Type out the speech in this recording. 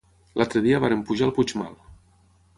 L'altre dia vàrem pujar al Puigmal.